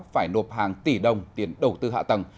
phải nộp hàng tỷ đồng tiền đầu tư hạ tầng